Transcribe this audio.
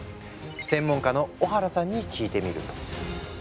専門家の小原さんに聞いてみると。